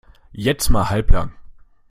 Jetzt mal halblang!